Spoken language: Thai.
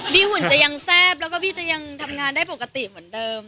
หุ่นจะยังแซ่บแล้วก็พี่จะยังทำงานได้ปกติเหมือนเดิม